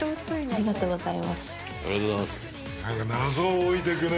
ありがとうございます。